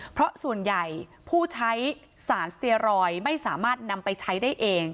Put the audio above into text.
เพราะส่วนใหญ่ผู้ใช้สารสเตียรอยด์ไม่สามารถนำไปใช้ได้เอง